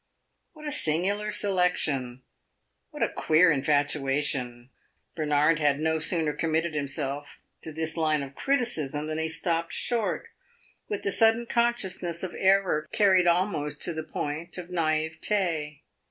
What a singular selection what a queer infatuation! Bernard had no sooner committed himself to this line of criticism than he stopped short, with the sudden consciousness of error carried almost to the point of naivetae.